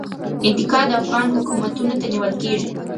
انتقاد افغان حکومتونو ته نیول کیږي.